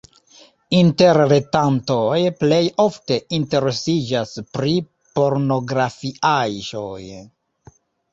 Interretantoj plej ofte interesiĝas pri pornografiaĵoj.